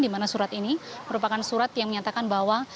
di mana surat ini merupakan surat yang menyatakan bahwa